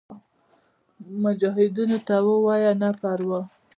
مجاهدینو ته ووایه نه پروا.